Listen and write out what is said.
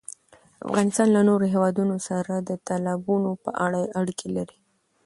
افغانستان له نورو هېوادونو سره د تالابونو په اړه اړیکې لري.